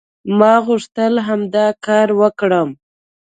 ما غوښتل همدا کار وکړم".